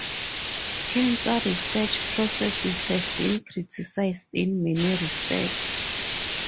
Cancer research processes have been criticised in many respects.